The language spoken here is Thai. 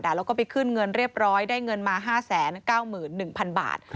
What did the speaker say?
แล้วก็ไปขึ้นเงินเรียบร้อยได้เงินมา๕๙๑๐๐๐บาท